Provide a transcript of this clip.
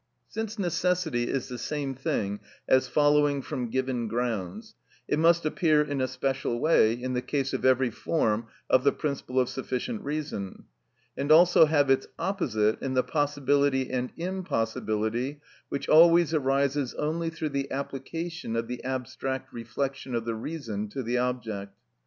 Since necessity is the same thing as following from given grounds, it must appear in a special way in the case of every form of the principle of sufficient reason, and also have its opposite in the possibility and impossibility which always arises only through the application of the abstract reflection of the reason to the object.